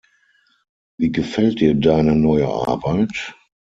Wie gefällt dir deine neue Arbeit?